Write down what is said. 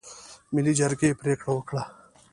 ملي جرګې پرېکړه وکړه.